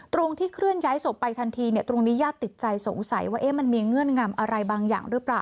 ตรงที่เคลื่อนย้ายศพไปทันทีตรงนี้ญาติติดใจสงสัยว่ามันมีเงื่อนงำอะไรบางอย่างหรือเปล่า